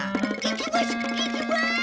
行きます！